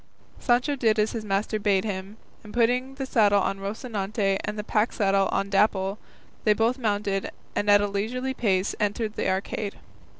Sancho did as his master bade him, and putting the saddle on Rocinante and the pack saddle on Dapple, they both mounted and at a leisurely pace entered the arcade.